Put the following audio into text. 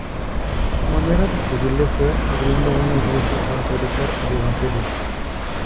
Su manera de servirle fue abriendo una iglesia para predicar el evangelio.